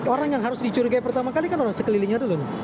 orang yang harus dicurigai pertama kali kan orang sekelilingnya dulu